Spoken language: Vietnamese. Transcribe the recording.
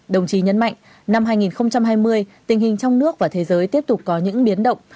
đồng chí nhấn mạnh năm hai nghìn hai mươi tình hình trong nước và thế giới tiếp tục có những biến động